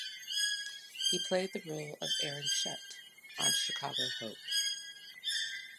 He played the role of Aaron Shutt on "Chicago Hope".